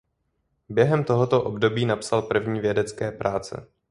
Během tohoto období napsal první vědecké práce.